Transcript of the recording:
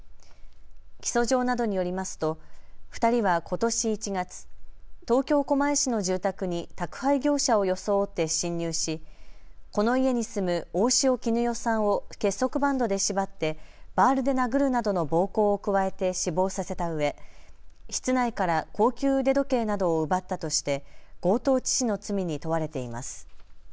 起訴状などによりますと２人はことし１月、東京狛江市の住宅に宅配業者を装って侵入し、この家に住む大塩衣與さんを結束バンドで縛ってバールで殴るなどの暴行を加えて死亡させたうえ室内から高級腕時計などを奪ったとして強盗致死の罪に問われています。